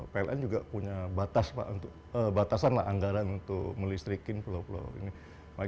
pln juga punya batasan lah anggaran untuk melistrikin pulau pulau ini